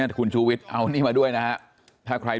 แล้วถ้าคุณชุวิตไม่ออกมาเป็นเรื่องกลุ่มมาเฟียร์จีน